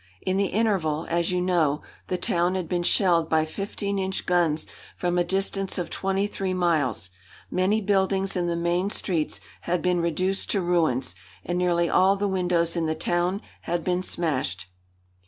In the interval, as you know, the town had been shelled by fifteen inch guns from a distance of twenty three miles. Many buildings in the main streets had been reduced to ruins, and nearly all the windows in the town had been smashed."